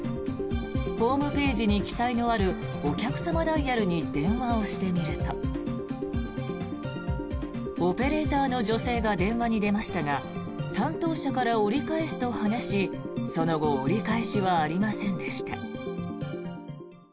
ホームページに記載のあるお客様ダイヤルに電話をしてみるとオペレーターの女性が電話に出ましたが担当者から折り返すと話しその後、折り返しはありませんでした。